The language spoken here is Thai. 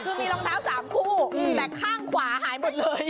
คือมีรองเท้า๓คู่แต่ข้างขวาหายหมดเลย